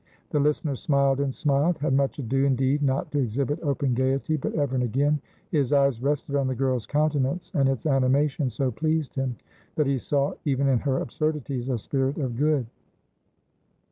The listener smiled and smiled; had much ado, indeed, not to exhibit open gaiety; but ever and again his eyes rested on the girl's countenance, and its animation so pleased him that he saw even in her absurdities a spirit of good.